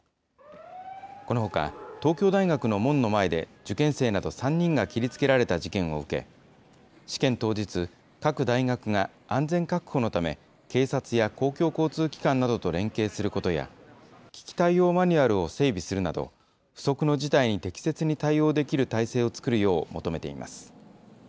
このほか、東京大学の門の前で、受験生など３人が切りつけられた事件を受け、試験当日、各大学が安全確保のため、警察や公共交通機関などと連携することや、危機対応マニュアルを整備するなど、不測の事態に適切に対応できる体制を作るよう、求めています。